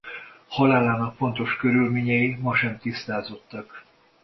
Halálának pontos körülményei ma sem tisztázottak.